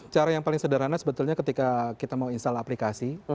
cara yang paling sederhana sebetulnya ketika kita mau install aplikasi